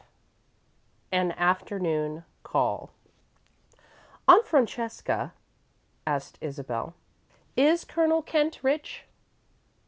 V AN AFTERNOON CALL "Aunt Francesca," asked Isabel, "is Colonel Kent rich?"